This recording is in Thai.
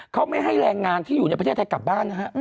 เขาไม่ให้แรงงานที่อยู่ในประเทศไทยกลับบ้านนะฮะ